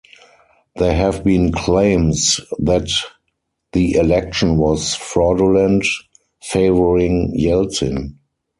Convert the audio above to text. There have been claims that the election was fraudulent, favoring Yeltsin.